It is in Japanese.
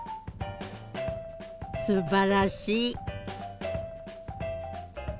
すばらしい。